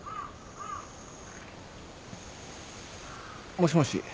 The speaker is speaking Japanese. もしもし。